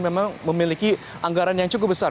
memang memiliki anggaran yang cukup besar